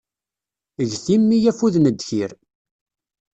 Get i mmi afud n ddkir.